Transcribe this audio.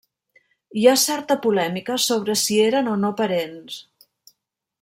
Hi ha certa polèmica sobre si eren o no parents.